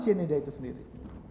cyanida itu sendiri